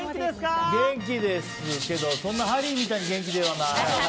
元気ですけど、そんなハリーみたいに元気ではない。